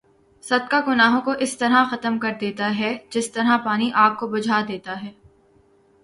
صدقہ گناہوں کو اس طرح ختم کر دیتا ہے جس طرح پانی آگ کو بھجا دیتا ہے